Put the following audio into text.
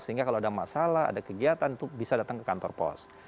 sehingga kalau ada masalah ada kegiatan itu bisa datang ke kantor pos